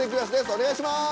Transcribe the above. お願いします！